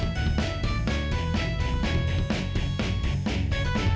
baik baik baik